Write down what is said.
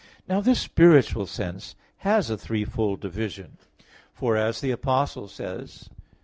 Now this spiritual sense has a threefold division. For as the Apostle says (Heb.